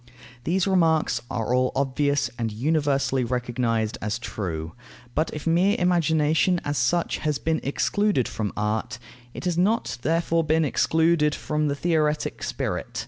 These remarks are all obvious and universally recognized as true. But if mere imagination as such has been excluded from art, it has not therefore been excluded from the theoretic spirit.